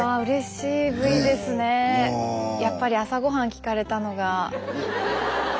やっぱり朝ごはん聞かれたのが楽しかった。